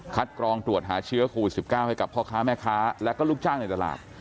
กรองตรวจหาเชื้อโควิด๑๙ให้กับพ่อค้าแม่ค้าและก็ลูกจ้างในตลาด